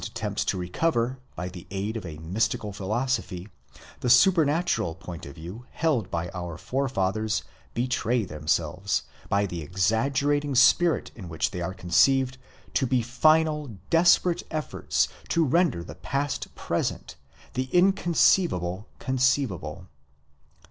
attempts to recover, by the aid of a mystical philosophy, the supernatural point of view held by our forefathers, betray themselves, by the exaggerating spirit in which they are conceived, to be final, desperate efforts to render the past present, the inconceivable conceivable.